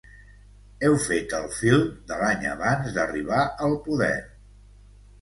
Heu fet el film de l’any abans d’arribar al poder.